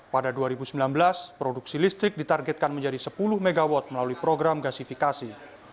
pada dua ribu sembilan belas produksi listrik ditargetkan menjadi sepuluh mw melalui program gasifikasi